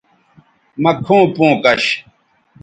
مہ کھوں پوں کش